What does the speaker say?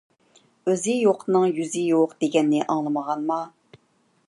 ئۆزى يوقنىڭ يۈزى يوق دېگەننى ئاڭلىمىغانما؟